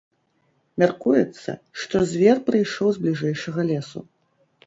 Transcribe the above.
Мяркуецца, што звер прыйшоў з бліжэйшага лесу.